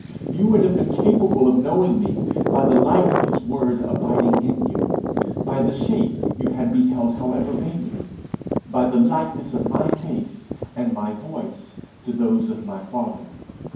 You would have been capable of knowing me by the light of his word abiding in you; by the shape you had beheld however vaguely; by the likeness of my face and my voice to those of my father.